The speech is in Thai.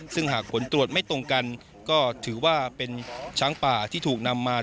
ซึ่งหากผลตรวจไม่ตรงกันก็ถือว่าเป็นช้างป่าที่ถูกนำมา